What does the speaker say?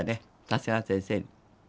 長谷川先生に。